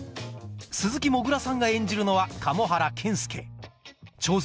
鈴木もぐらさんが演じるのは加茂原健介徴税